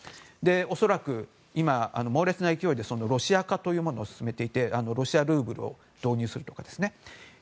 恐らく今、猛烈な勢いでそのロシア化を進めていてロシアルーブルを導入するとかですね。